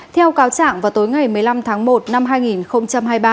theo cáo trạng vào tối ngày một mươi năm tháng một năm hai nghìn hai mươi ba